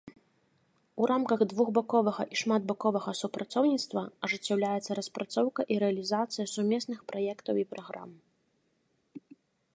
У рамках двухбаковага і шматбаковага супрацоўніцтва ажыццяўляецца распрацоўка і рэалізацыя сумесных праектаў і праграм.